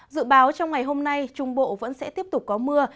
dự báo trong ngày hôm nay trung bộ vẫn sẽ tiếp tục có mưa